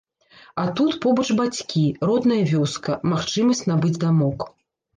А тут побач бацькі, родная вёска, магчымасць набыць дамок.